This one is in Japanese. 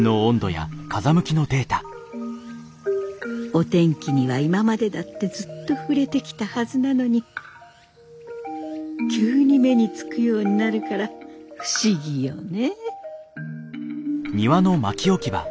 お天気には今までだってずっと触れてきたはずなのに急に目につくようになるから不思議よね。